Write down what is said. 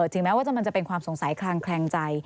ถึงแม้ว่ามันจะเป็นความสงสัยคลางแคลงใจ